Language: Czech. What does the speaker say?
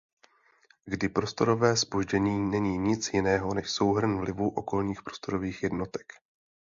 Kdy prostorové zpoždění není nic jiného než souhrn vlivů okolních prostorových jednotek.